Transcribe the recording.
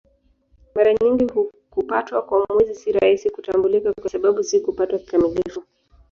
Mara nyingi kupatwa kwa Mwezi si rahisi kutambulika kwa sababu si kupatwa kikamilifu.